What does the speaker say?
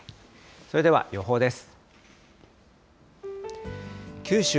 それでは予報です。